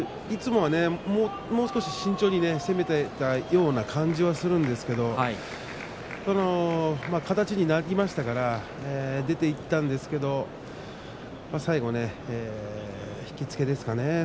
いつもはもう少し慎重に攻めていったような感じがするんですけれど形になりましたから出ていったんですけれど最後ね、引き付けですかね。